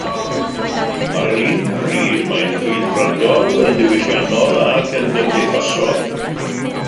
Ar yr un pryd mae'n rhyddfrydol yn ddiwylliannol ac yn gymdeithasol.